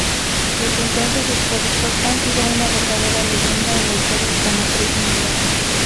Desde entonces, sus productos han sido una verdadera leyenda en la historia automotriz mundial.